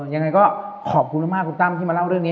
ยังไงก็ขอบคุณมากคุณตั้มที่มาเล่าเรื่องนี้